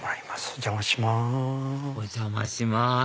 お邪魔します